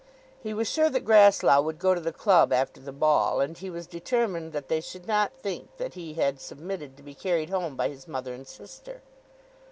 He was sure that Grasslough would go to the club after the ball, and he was determined that they should not think that he had submitted to be carried home by his mother and sister.